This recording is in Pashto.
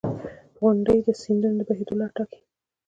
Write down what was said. • غونډۍ د سیندونو د بهېدو لاره ټاکي.